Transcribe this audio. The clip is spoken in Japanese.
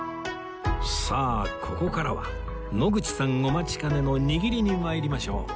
さあここからは野口さんお待ちかねの握りに参りましょう